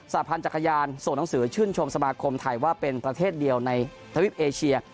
หพันธ์จักรยานส่งหนังสือชื่นชมสมาคมไทยว่าเป็นประเทศเดียวในทวิปเอเชีย